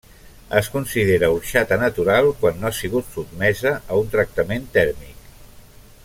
Es considera orxata natural quan no ha sigut sotmesa a un tractament tèrmic.